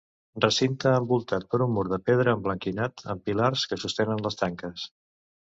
Recinte envoltat per un mur de pedra emblanquinat amb pilars que sostenen les tanques.